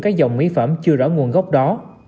cái dòng mi phẩm chưa rõ nguồn gốc đó